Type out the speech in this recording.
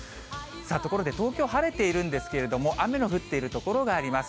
ところで、東京晴れているんですけれども、雨の降っている所があります。